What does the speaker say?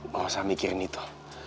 gak usah mikirin itu